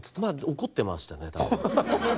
怒ってましたね多分。